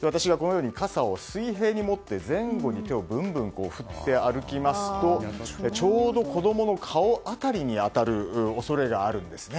傘を水平に持って前後に手をぶんぶん振って歩きますとちょうど子供の顔辺りに当たる恐れがあるんですね。